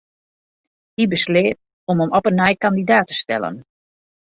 Hy besleat om him op 'e nij kandidaat te stellen.